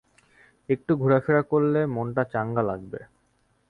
একটু ঘুরাফেরা করলে মনটা চাঙ্গা লাগবে।